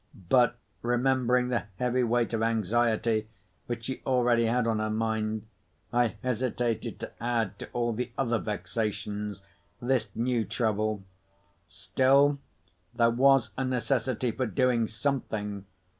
But, remembering the heavy weight of anxiety which she already had on her mind, I hesitated to add to all the other vexations this new trouble. Still, there was a necessity for doing something.